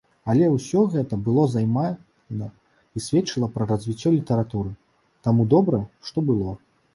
Але ўсё гэты было займальна і сведчыла пра развіццё літаратуры, таму добра, што было.